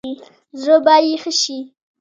زړه به يې ښه شي.